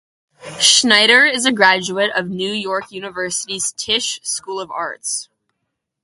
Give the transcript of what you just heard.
Schneider is a graduate of New York University's Tisch School of the Arts.